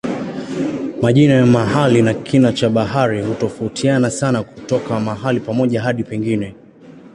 Majina ya mahali na kina cha habari hutofautiana sana kutoka mahali pamoja hadi pengine.